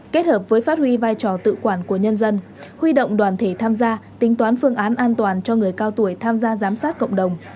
kết hợp với phát huy vai trò tự quản của nhân dân huy động đoàn thể tham gia tính toán phương án an toàn cho người cao tuổi tham gia giám sát cộng đồng